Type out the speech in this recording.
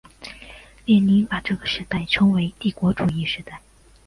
列宁把这个时代称为帝国主义时代。